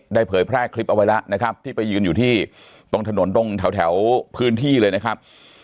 เผยแพร่คลิปเอาไว้แล้วนะครับที่ไปยืนอยู่ที่ตรงถนนตรงแถวพื้นที่เลยนะครับ